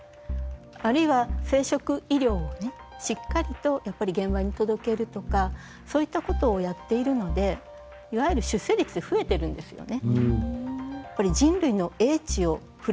あるいは生殖医療をねしっかりとやっぱり現場に届けるとかそういったことをやっているのでいわゆる出生率って増えてるんですよね。